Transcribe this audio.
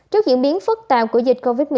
trước diễn biến phức tạp của dịch covid một mươi chín